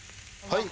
はい。